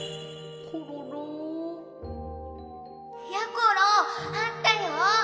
ころあったよ。